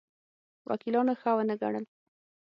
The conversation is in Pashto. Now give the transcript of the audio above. وکیلانو ښه ونه ګڼل.